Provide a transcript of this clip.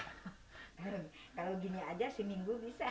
kalau gini aja seminggu bisa